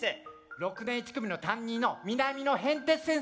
６年１組の担任の南野へんてつ先生。